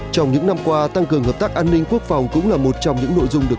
trong những năm qua tăng cường hợp tác an ninh quốc phòng cũng là một trong những nội dung được